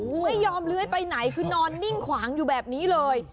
ไม่ยอมเลื้อยไปไหนคือนอนนิ่งขวางอยู่แบบนี้เลย